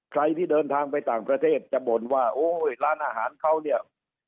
ใครที่เดินทางไปต่างประเทศจะบ่นว่าโอ้ยร้านอาหารเขาเนี่ย